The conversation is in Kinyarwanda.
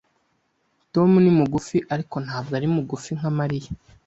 Tom ni mugufi, ariko ntabwo ari mugufi nka Mariya.